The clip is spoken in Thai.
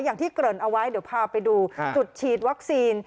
อย่างที่เกริ่นเอาไว้เดี๋ยวพาไปดูจุดฉีดวัคซีน